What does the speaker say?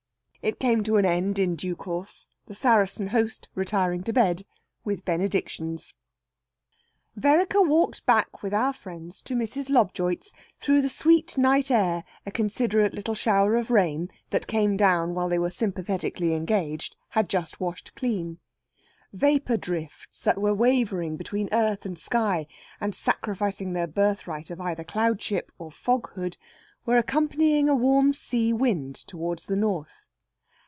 It came to an end in due course, the Saracen host retiring to bed, with benedictions. Vereker walked back with our friends to Mrs. Lobjoit's through the sweet night air a considerate little shower of rain, that came down while they were sympathetically engaged, had just washed clean. Vapour drifts that were wavering between earth and sky, and sacrificing their birthright of either cloudship or foghood, were accompanying a warm sea wind towards the north.